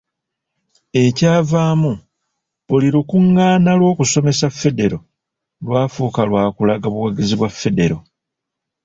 Ekyavaamu buli lukuŋŋaana lw’okusomesa Federo lwafuuka lwa kulaga buwagizi bwa Federo.